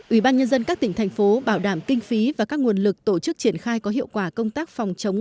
ủy ban nhân dân các tỉnh thành phố bảo đảm kinh phí và các nguồn lực tổ chức triển khai có hiệu quả công tác phòng chống